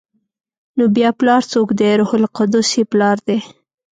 نو بیا پلار څوک دی؟ روح القدس یې پلار دی؟